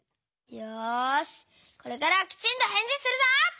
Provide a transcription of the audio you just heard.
よしこれからはきちんとへんじするぞ！